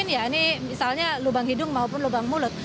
ini misalnya lubang hidung maupun lubang mulut